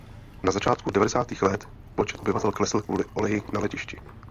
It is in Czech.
Na začátku devadesátých let počet obyvatel klesal kvůli oleji na letišti.